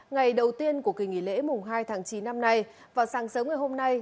ngày đầu tiên của kỳ nghỉ lễ mùng hai tháng chín năm nay vào sáng sớm ngày hôm nay